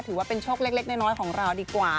ถือว่าเป็นโชคเล็กน้อยของเราดีกว่า